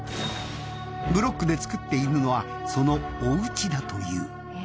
ブロックで作っているのはそのだという。